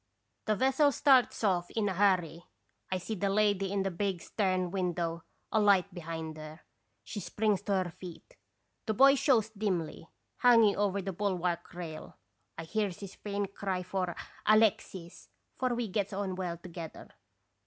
The vessel starts off in a hurry. I see the lady in the big stern window, a light behind her. She springs to her feet. The boy shows dimly, hanging over the bulwark rail ; I hears his faint cry for 'Alexis !' for we gets on well together.